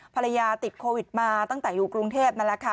ภรรยาติดโควิดมาตั้งแต่อยู่กรุงเทพนั่นแหละค่ะ